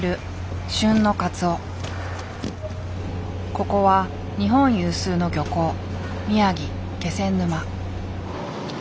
ここは日本有数の漁港宮城・気仙沼。